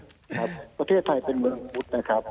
ประเทศไทยเป็นเมืองพุทธนะครับ